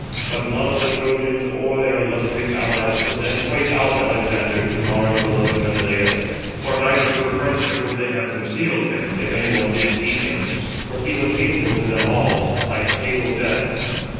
But none of the Trojans or their illustrious allies could then point out Alexander to Mars beloved Menelaus; for neither through friendship would they have concealed him, if any one did see him; for he was hateful to them all, like sable death.